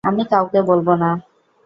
আমি কাউকে বলবো না।